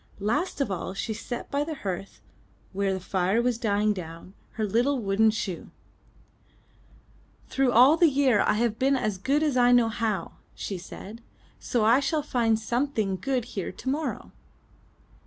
Last of all she set by the hearth, where the fire was dying down, her little wooden shoe. 306 UP ONE PAIR OF STAIRS 'Through all the year, I have been as good as I know how/' she said, ''so I shall find something good here tomorrow."